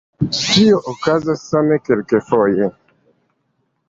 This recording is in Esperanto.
Tio okazas same kelkfoje.